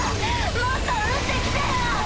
もっと撃ってきてよ！